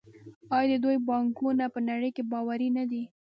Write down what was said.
آیا د دوی بانکونه په نړۍ کې باوري نه دي؟